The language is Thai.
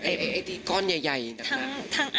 ไอ้ที่ก้อนใหญ่อย่างนั้น